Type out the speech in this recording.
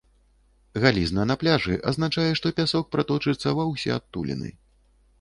Галізна на пляжы азначае, што пясок праточыцца ва ўсе адтуліны.